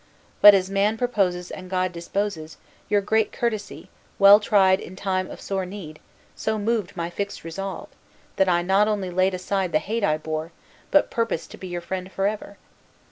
But, as man proposes and God disposes, your great courtesy, well tried in time of sore need, so moved my fixed resolve, that I not only laid aside the hate I bore, but purposed to be your friend forever.